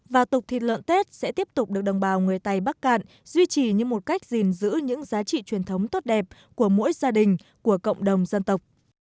và tục thịt lợn tết sẽ tiếp tục được đồng bào người tây bắc cạn duy trì như một cách gìn giữ những giá trị truyền thống tốt đẹp của mỗi gia đình của cộng đồng dân tộc